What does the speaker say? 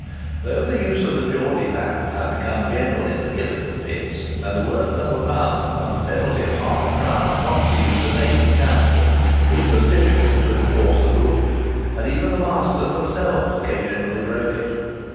Though the use of the Geordy lamp had become general in the Killingworth pits, and the workmen were bound, under a penalty of half a crown, not to use a naked candle, it was difficult to enforce the rule, and even the masters themselves occasionally broke it.